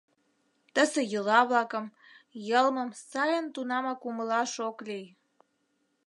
Тысе йӱла-влакым, йылмым сайын тунамак умылаш ок лий.